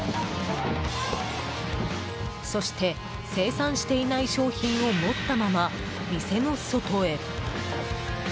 そして、精算していない商品を持ったまま店の外へ。